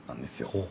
ほう。